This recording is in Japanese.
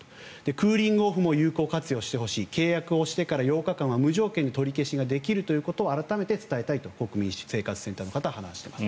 クーリングオフも有効活用してほしい契約してから８日間は無条件に取り消しができるということを改めて伝えたいと国民生活センターの方は話しています。